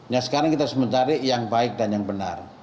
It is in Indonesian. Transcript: nah sekarang kita harus mencari yang baik dan yang benar